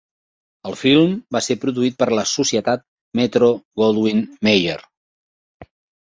El film va ser produït per la societat Metro-Goldwyn-Mayer.